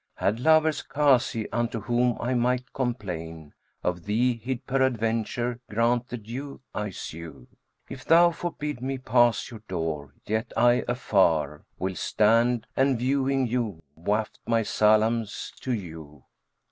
Had lovers Kazi unto whom I might complain * Of thee, he'd peradventure grant the due I sue: If thou forbid me pass your door, yet I afar * Will stand, and viewing you waft my salams to you!"